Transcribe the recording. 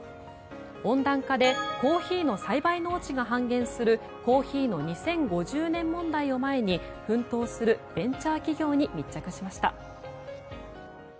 温暖化でコーヒーの栽培農地が半減するコーヒーの２０５０年問題を前に奮闘するベンチャー企業に密着しました。